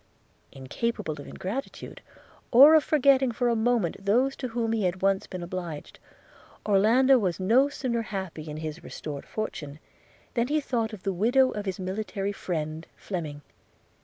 Incapable of ingratitude, or of forgetting for a moment those to whom he had once been obliged, Orlando was no sooner happy in his restored fortune, than he thought of the widow of his military friend Fleming.